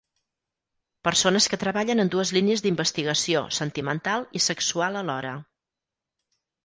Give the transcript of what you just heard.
Persones que treballen en dues línies d'investigació sentimental i sexual alhora.